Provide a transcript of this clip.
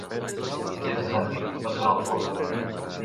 Sense sentit fa sonar el flautí.